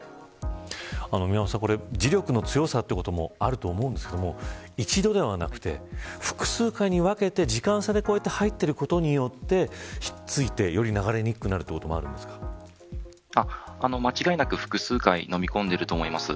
宮本さん、これ磁力の強さということもあると思うんですけれども一度ではなくて複数回に分けて時間差で入っていることによってひっついて、より流れにくく間違いなく複数回のみ込んでいると思います。